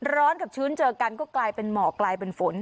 กับชื้นเจอกันก็กลายเป็นหมอกกลายเป็นฝน